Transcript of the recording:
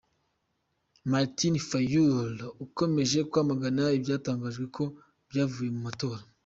Martin Fayulu, akomeje kwamagana ibyatangajwe ko byavuye mu matora.